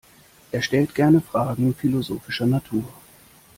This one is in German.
Er stellt gerne Fragen philosophischer Natur.